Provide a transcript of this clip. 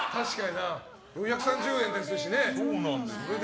２３０円ですしね。